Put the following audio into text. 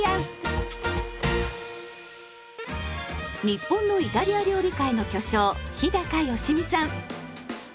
日本のイタリア料理界の巨匠日良実さん。